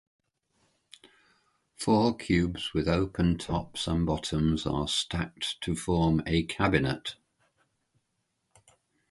Four cubes with open tops and bottoms are stacked to form a cabinet.